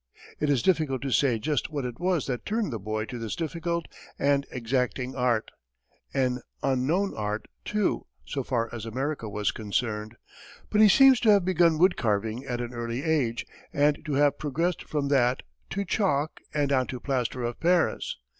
It is difficult to say just what it was that turned the boy to this difficult and exacting art an unknown art, too, so far as America was concerned. But he seems to have begun woodcarving at an early age, and to have progressed from that to chalk and on to plaster of Paris.